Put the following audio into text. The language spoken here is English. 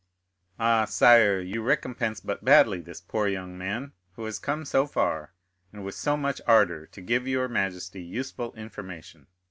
"Ah, sire, you recompense but badly this poor young man, who has come so far, and with so much ardor, to give your majesty useful information.